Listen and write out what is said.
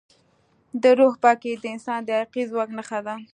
د روح پاکي د انسان د حقیقي ځواک نښه ده.